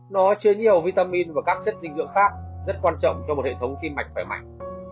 nó chứa nhiều vitamin và các chất dinh dưỡng khác rất quan trọng cho một hệ thống tim mạch khỏe mạnh